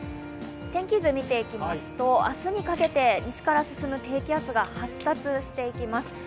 天気図を見ていきますと明日にかけて西から進む低気圧が発達していきます。